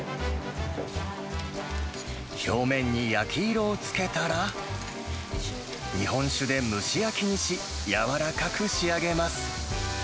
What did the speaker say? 表面に焼き色を付けたら、日本酒で蒸し焼きにし、やわらかく仕上げます。